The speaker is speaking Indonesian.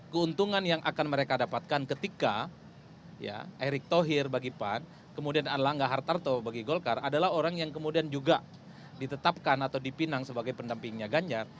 keuntungan yang akan mereka dapatkan ketika erick thohir bagi pan kemudian erlangga hartarto bagi golkar adalah orang yang kemudian juga ditetapkan atau dipinang sebagai pendampingnya ganjar